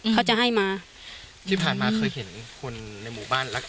เขาจะให้มาที่ผ่านมาเคยเห็นคนในหมู่บ้านรักกัน